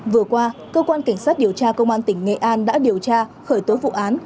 vừa qua cơ quan cảnh sát điều tra công an tỉnh nghệ an đã điều tra khởi tố vụ án